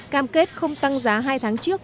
cam kết không tăng giá hai tháng trước